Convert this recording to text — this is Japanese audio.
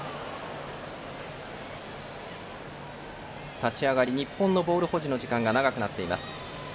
立ち上がり日本のボール保持の時間が長くなっています。